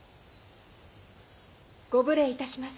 ・ご無礼いたします。